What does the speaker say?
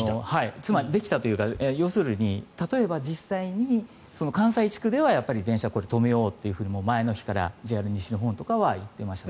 できたというか、要するに例えば、実際に関西地区ではやっぱり電車を止めようと前の日からＪＲ西日本とかは言っていました。